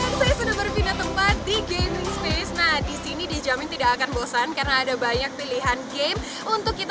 di gaming space nah disini dijamin tidak akan bosan karena ada banyak pilihan game untuk kita